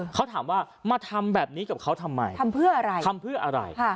เขาถามว่ามาทำแบบนี้กับเขาทำไมทำเพื่ออะไรทำเพื่ออะไร